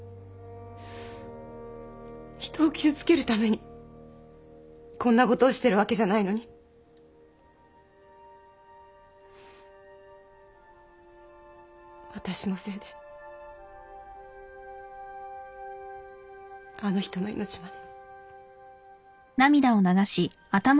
人を傷つけるためにこんなことをしてるわけじゃないのに私のせいであの人の命まで。